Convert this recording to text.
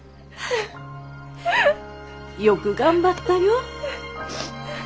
よく頑張ったよ。